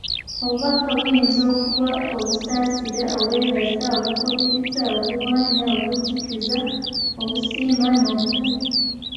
Obubaka buyinza okuba obusaasira, obwebaza, obukubiriza, obuwaana, obujjukiza, obusiima n'obulala.